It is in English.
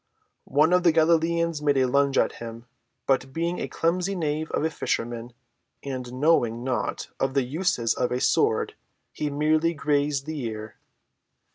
One of the Galileans made a lunge at him, but, being a clumsy knave of a fisherman and knowing naught of the uses of a sword, he merely grazed the ear."